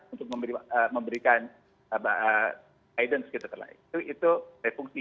untuk memberikan aidan segitu terlalu itu refungsi